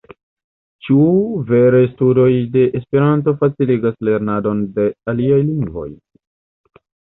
Ĉu vere studoj de Esperanto faciligas lernadon de aliaj lingvoj?